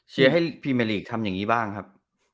ให้พรีเมอร์ลีกทำอย่างนี้บ้างครับ